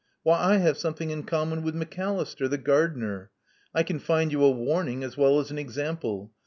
Why, I have something in common with Macalister, the gardener. I can find you a warning as well as an example.